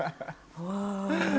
うわ。